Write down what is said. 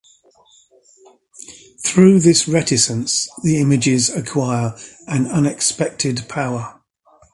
Through this reticence the images acquire an unexpected power.